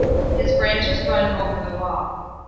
His branches run over the wall.